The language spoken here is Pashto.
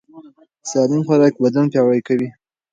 سالم خوراک بدن پیاوړی کوي.